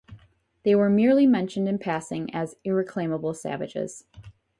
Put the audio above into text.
They were merely mentioned in passing as "irreclaimable savages".